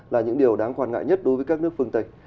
là những điều đáng quan ngại nhất đối với các nước phương tây